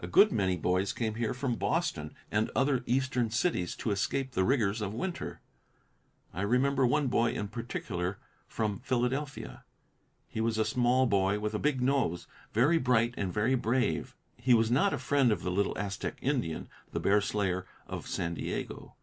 A good many boys came here from Boston and other eastern cities to escape the rigors of winter. I remember one boy in particular from Philadelphia. He was a small boy with a big nose, very bright and very brave. He was not a friend of the little Aztec Indian, the Bear Slayer of San Diego.